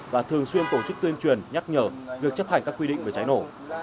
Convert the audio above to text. và thường xuyên tổ chức tuyên truyền nhắc nhở việc chấp hành các quy định về cháy nổ